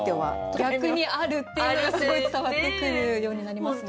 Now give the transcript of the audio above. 逆にあるっていうのがすごい伝わってくるようになりますね。